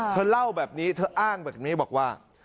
เธอเล่าแบบนี้เธออ้างแบบนี้บอกว่า